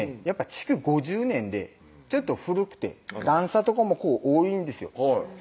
築５０年でちょっと古くて段差とかも多いんですよ